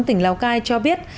tỉnh lào cai cho biết